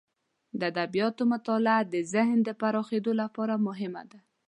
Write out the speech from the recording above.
د ادبیاتو مطالعه د ذهن د پراخیدو لپاره مهمه ده.